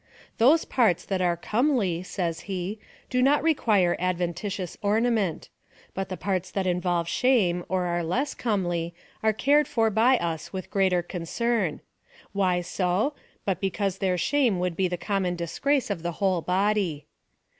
" Those parts that are comely," says he, " do not require adventitious ornament ; but the parts that involve shame, or are less comely, are cared for by us with greater concern. "Why so ? but because their shame would be the common disgrace of the whole body."